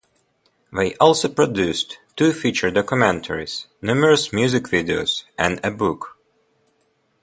They also produced two feature documentaries, numerous music videos, and a book.